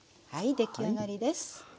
出来上がりです。